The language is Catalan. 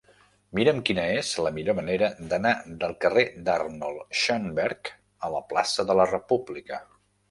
Mira'm quina és la millor manera d'anar del carrer d'Arnold Schönberg a la plaça de la República.